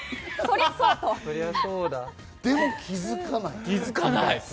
でも、気づかない。